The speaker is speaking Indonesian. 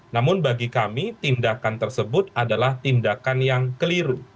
namun bagi kami tindakan tersebut adalah tindakan yang keliru